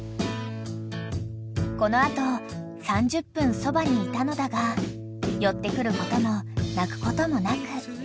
［この後３０分そばにいたのだが寄ってくることも鳴くこともなく］